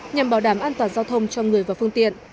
nhằm bảo đảm an toàn giao thông cho người và phương tiện